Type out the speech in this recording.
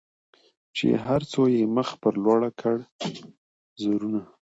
چي هر څو یې مخ پر لوړه کړه زورونه